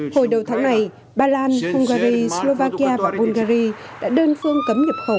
hồi đầu tháng này ba lan hungary slovakia và bungary đã đơn phương cấm nhập khẩu